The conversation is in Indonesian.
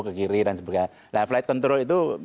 ke kiri dan sebagainya flight control itu